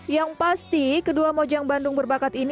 yang pasti kedua mojang bandung berbakat ini